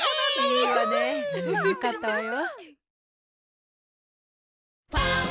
いいわねよかったわよ。